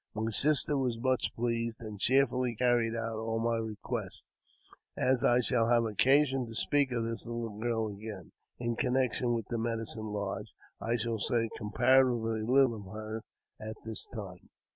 My sister was much pleased, and cheerfully carried out all my requests. As I shall have occasion to speak of this little girl again, in connection with the medicine lodge, I shall say comparatively little of her at this time.